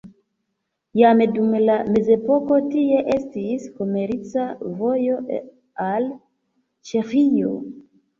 Jam dum la mezepoko tie estis komerca vojo al Ĉeĥio.